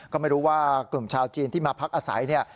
ก็ไม่รู้ว่ากลุ่มชาวจีนที่มาพักอาศัยเนี่ย